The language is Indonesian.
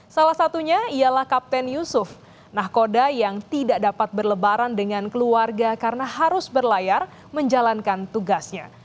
salah satunya ialah kapten yusuf nahkoda yang tidak dapat berlebaran dengan keluarga karena harus berlayar menjalankan tugasnya